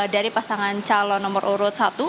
dari pasangan calon nomor urut satu